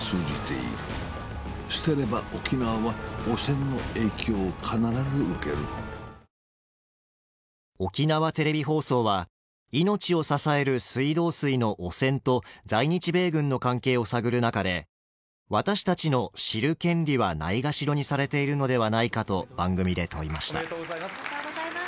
したれば沖縄は汚染の影響を必ず受ける沖縄テレビ放送は命を支える水道水の汚染と在日米軍の関係を探る中で私たちの知る権利はないがしろにされているのではないかと番組で問いました。